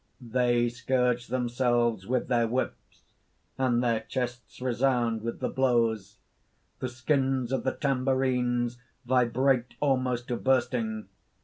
(_They scourge themselves with their whips; and their chests resound with the blows; the skins of the tambourines vibrate almost to bursting.